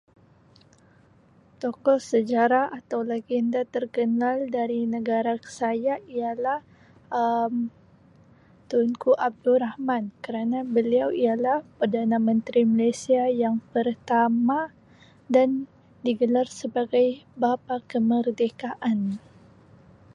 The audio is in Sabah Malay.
tokoh sejarah atau lagenda terkenal dari negara saya ialah Um tunku abdul rahman kerana beliau ialah perdana menteri malaysia yang pertama dan digelar sebagai bapa kemerdekaan.